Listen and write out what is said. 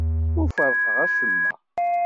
Ur ferrqeɣ acemma.